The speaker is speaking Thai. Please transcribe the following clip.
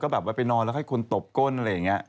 แก้พาดแล้วไปนอนแล้วให้คนตบก้น